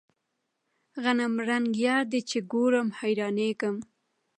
غنمرنګ يار ته چې ګورم حيرانېږم.